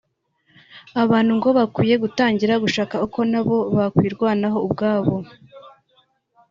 abantu ngo bakwiye gutangira gushaka uko nabo bakwirwanaho ubwabo